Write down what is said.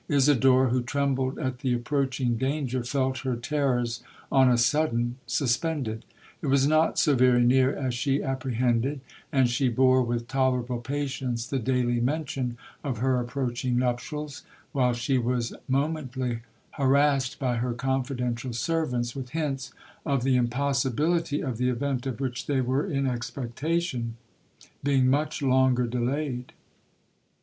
Isidora, who trembled at the approaching danger, felt her terrors on a sudden suspended. It was not so very near as she apprehended—and she bore with tolerable patience the daily mention of her approaching nuptials, while she was momently harassed by her confidential servants with hints of the impossibility of the event of which they were in expectation, being much longer delayed.